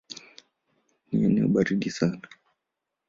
Ni eneo baridi sana.